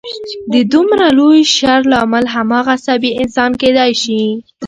د دومره لوی شر لامل هماغه عصبي انسان کېدای شي